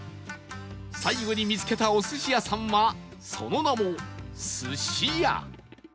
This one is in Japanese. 最後に見つけたお寿司屋さんはその名も寿司屋